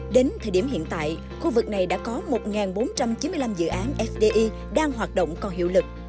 đến thời điểm hiện tại khu vực này đã có một bốn trăm chín mươi năm dự án fdi đang hoạt động còn hiệu lực